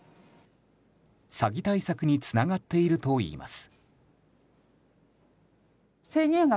詐欺対策につながっているといいます。